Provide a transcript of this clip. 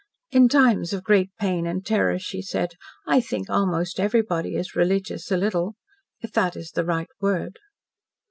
"In times of great pain and terror," she said, "I think almost everybody is religious a little. If that is the right word."